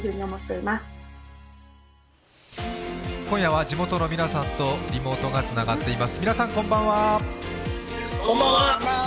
今夜は地元の皆さんとリモートがつながっています。